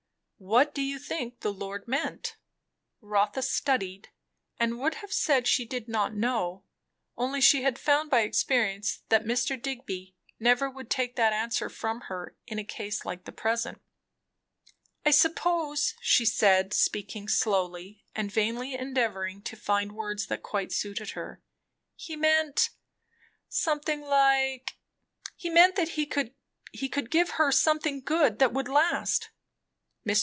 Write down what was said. "What do you think the Lord meant?" Rotha studied, and would have said she "did not know," only she had found by experience that Mr. Digby never would take that answer from her in a case like the present. "I suppose," she said, speaking slowly, and vainly endeavouring to find words that quite suited her, "he meant something like He meant, that he could give her something good, that would last." Mr.